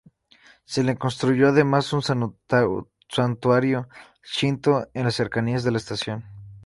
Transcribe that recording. Se le construyó, además, un santuario shinto en las cercanías de la estación.